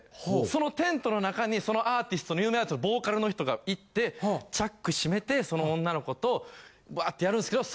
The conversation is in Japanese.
そのテントの中にそのアーティストの有名なヤツボーカルの人が行ってチャックしめてその女の子とワッてやるんですけど